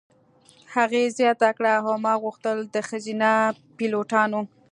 هغې زیاته کړه: "او ما غوښتل د ښځینه پیلوټانو.